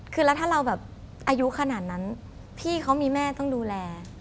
คือแล้วถ้าเราแบบอายุขนาดนั้นพี่เขามีแม่ต้องดูแล